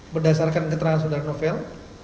berdasarkan keterangan saudara novel